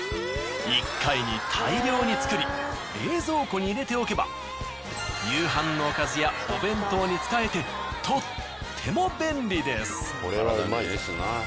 １回に大量に作り冷蔵庫に入れておけば夕飯のおかずやお弁当に使えてとっても便利です。